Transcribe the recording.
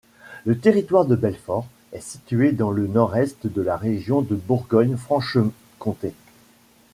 Le Territoire de Belfort est situé dans le nord-est de la région de Bourgogne-Franche-Comté.